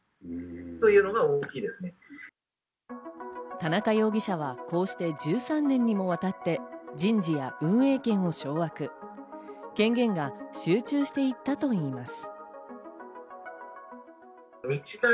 田中容疑者はこうして１３年にもわたって人事や運営権を掌握、権限が集中していったといいます。